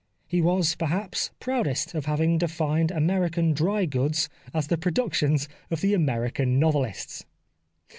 He was, perhaps, proudest of having defined American dry goods as the productions of the American novelists.